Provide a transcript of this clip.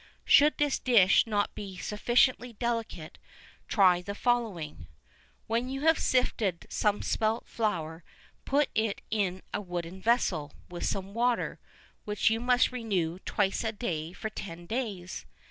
[V 27] Should this dish not be sufficiently delicate, try the following: When you have sifted some spelt flour, put it in a wooden vessel, with some water, which you must renew twice a day for ten days.